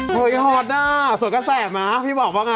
เฮ้ยฮอตอ่ะสวยกระแสนะพี่บอกว่าไง